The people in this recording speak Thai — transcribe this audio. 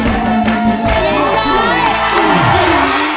รับแล้วสองหมื่น